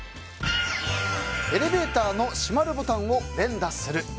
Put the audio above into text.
エレベーターの閉まるボタンを連打する。